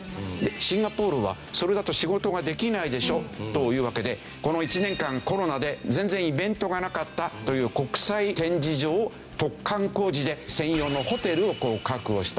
シンガポールはそれだと仕事ができないでしょというわけでこの１年間コロナで全然イベントがなかったという国際展示場を突貫工事で専用のホテルを確保した。